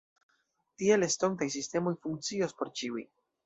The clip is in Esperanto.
Tiel estontaj sistemoj funkcios por ĉiuj.